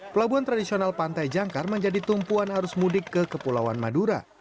pelabuhan tradisional pantai jangkar menjadi tumpuan arus mudik ke kepulauan madura